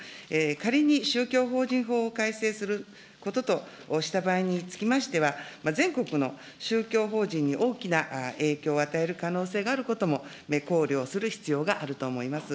仮に宗教法人法を改正することとした場合につきましては、全国の宗教法人に大きな影響を与える可能性があることも、考慮をする必要があると思います。